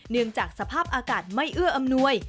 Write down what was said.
เนื่องจากสภาพอากาศไม่เอื้ออำนวย